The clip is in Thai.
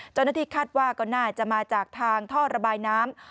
เจ้าหน้าที่คาดว่าก็น่าจะมาจากทางท่อระบายน้ำ